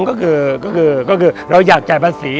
ก็คือเราอยากจ่ายภาษี